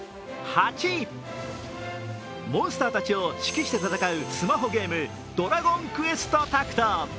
モンスターたちを指揮して戦うスマホゲーム「ドラゴンクエストタクト」。